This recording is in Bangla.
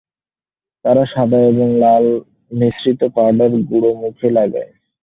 তারা সাদা এবং লাল মিশ্রিত পাউডার গুঁড়ো মুখে লাগায়।